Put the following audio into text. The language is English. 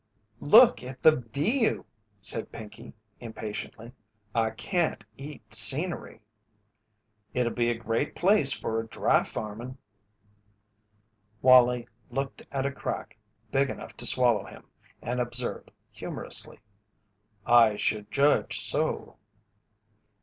"Look at the view!" said Pinkey, impatiently. "I can't eat scenery." "It'll be a great place for dry farmin'." Wallie looked at a crack big enough to swallow him and observed humorously: "I should judge so."